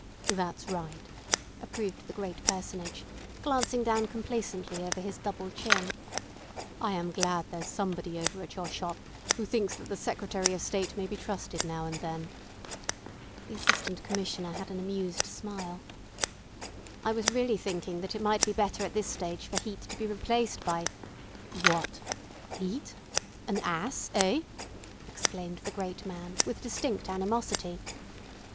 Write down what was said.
"That's right," approved the great Personage, glancing down complacently over his double chin. "I am glad there's somebody over at your shop who thinks that the Secretary of State may be trusted now and then." The Assistant Commissioner had an amused smile. "I was really thinking that it might be better at this stage for Heat to be replaced by—" "What! Heat? An ass—eh?" exclaimed the great man, with distinct animosity.